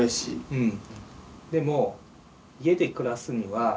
うん。